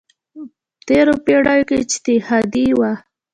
تېرو پېړیو کې اجتهادي وه.